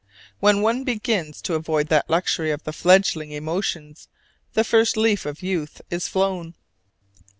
When one begins to avoid that luxury of the fledgling emotions, the first leaf of youth is flown.